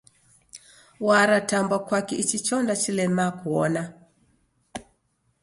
Waratambwa kwaki ichi chonda chilemaa kuona?